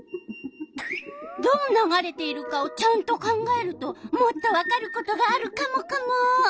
どう流れているかをちゃんと考えるともっとわかることがあるカモカモ！